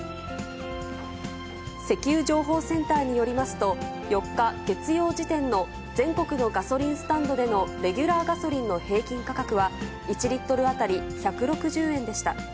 石油情報センターによりますと、４日月曜時点の全国のガソリンスタンドでのレギュラーガソリンの平均価格は、１リットル当たり１６０円でした。